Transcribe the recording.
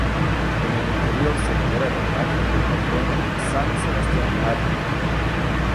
En el interior se venera la imagen del Patrono, San Sebastián mártir.